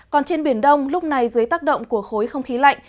còn trên biển đông lúc này dưới tác động của khối không khí lạnh